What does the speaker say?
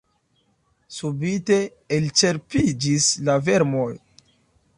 Subite elĉerpiĝis la vermoj.